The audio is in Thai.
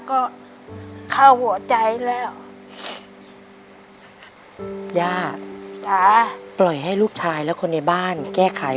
ก็เข้าหัวใจแล้วอืมย่าจ๋าปล่อยให้ลูกชายและคนในบ้านแก้ไข